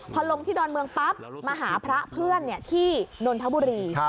พอลงที่ดอนเมืองปั๊บมาหาพระเพื่อนที่นนทบุรี